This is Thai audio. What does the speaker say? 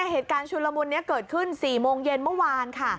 เหตุการณ์ชุนละมุลนี้เกิดขึ้น๔โมงเย็นเมื่อวานค่ะ